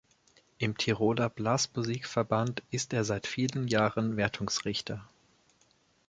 Im Tiroler Blasmusikverband ist er seit vielen Jahren Wertungsrichter.